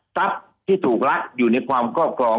ทรัพย์ที่ถูกรักอยู่ในความกอบกรอง